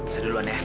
saya duluan ya